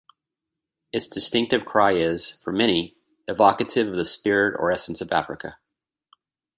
Its distinctive cry is, for many, evocative of the spirit or essence of Africa.